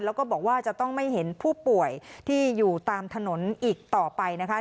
แล้วก็บอกว่าจะต้องไม่เห็นผู้ป่วยที่อยู่ตามถนนอีกต่อไปนะคะ